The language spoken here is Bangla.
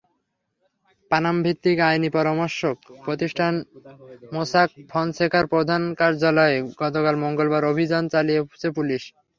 পানামাভিত্তিক আইনি পরামর্শক প্রতিষ্ঠান মোসাক ফনসেকার প্রধান কার্যালয়ে গতকাল মঙ্গলবার অভিযান চালিয়েছে পুলিশ।